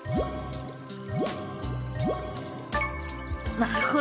なるほど。